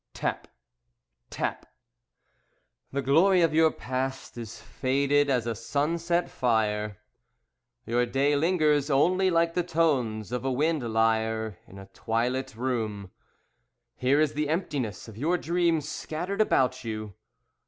Tap! Tap! The glory of your past is faded as a sunset fire, Your day lingers only like the tones of a wind lyre In a twilit room. Here is the emptiness of your dream Scattered about you.